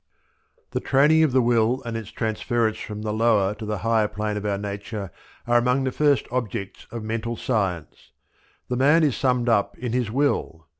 The training of the will and its transference from the lower to the higher plane of our nature are among the first objects of Mental Science. The man is summed up in his will.